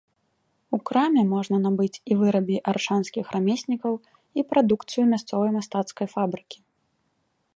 У краме можна набыць і вырабы аршанскіх рамеснікаў, і прадукцыю мясцовай мастацкай фабрыкі.